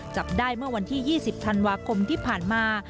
จับได้เมื่อวันที่๒๐ธันวาคมที่ผ่านมา